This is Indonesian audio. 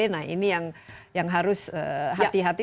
nah ini yang harus hati hati